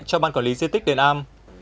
cho ban quản lý diên tích đền am